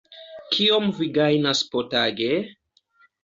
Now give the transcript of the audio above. Kiom vi gajnas potage?